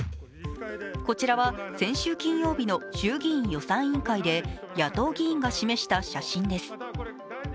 こちらは、先週金曜日の衆議院予算委員会で野党議員が示した写真です。